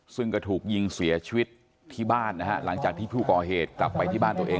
ซึ่งก็ถูกยิงเสียชีวิตที่บ้านนะฮะหลังจากที่ผู้ก่อเหตุกลับไปที่บ้านตัวเอง